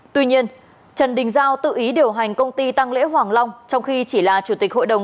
tuy nhiên trần đình giao tự ý điều hành công ty tăng lễ hoàng long trong khi chỉ là chủ tịch hội đồng